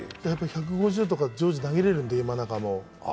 １５０とか常時投げれるので、今永も。